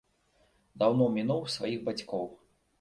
Даўно мінуў сваіх бацькоў.